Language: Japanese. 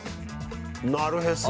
なるへそ。